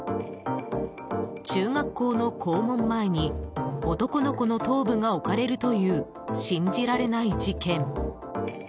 中学校の校門前に男の子の頭部が置かれるという信じられない事件。